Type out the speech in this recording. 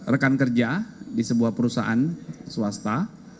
rekan kerja di sebuah perusahaan swasta